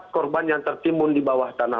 korban yang tertimbun di bawah tanah